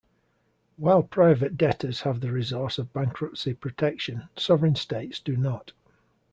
While private debtors have the resource of bankruptcy protection, sovereign states do not.